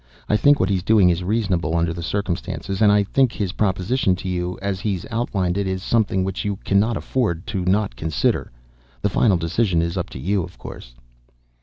I think what he's doing is reasonable under the circumstances, and I think his proposition to you, as he's outlined it, is something which you cannot afford to not consider. The final decision is up to you, of course."